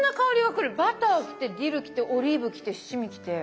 バターきてディルきてオリーブきて七味きて。